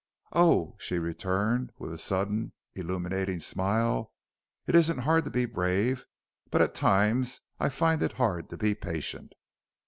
"Oh!" she returned with a sudden, illuminating smile. "It isn't hard to be brave. But at times I find it hard to be patient."